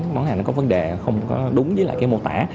món hàng nó có vấn đề không có đúng với lại cái mô tả